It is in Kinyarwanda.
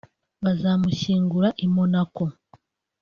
bazamushyingura i Monaco